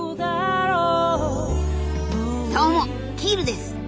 どうもキールです。